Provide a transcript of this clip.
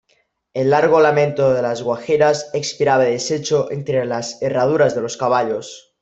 el largo lamento de las guajiras expiraba deshecho entre las herraduras de los caballos.